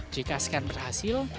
jika scan berhasil